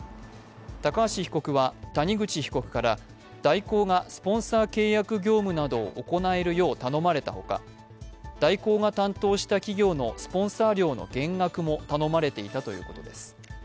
高橋被告は谷口被告から大広がスポンサー契約業務などを行えるよう頼まれたほか大広が担当した企業のスポンサー料の減額も頼まれていたということです。